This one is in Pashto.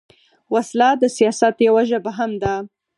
وسله د سیاست یوه ژبه هم ده